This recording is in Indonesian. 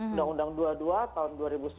undang undang dua puluh dua tahun dua ribu sembilan